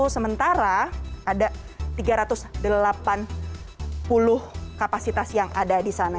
sementara ada tiga ratus delapan puluh kapasitas yang ada di sana